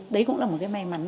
đấy cũng là một cái may mắn